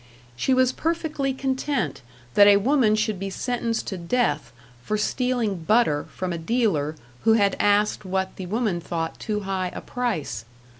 She was perfectly content that a woman should be sentenced to death for stealing butter from a dealer who had asked what the woman thought too high a price.